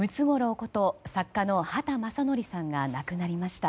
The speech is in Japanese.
こと作家の畑正憲さんが亡くなりました。